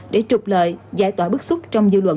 để trục lợi giải tỏa bức xúc trong dư luận